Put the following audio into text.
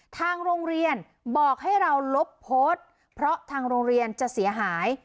ทางโรงเรียนบอกให้เราลบโพสต์เพราะทางโรงเรียนจะเสียหาย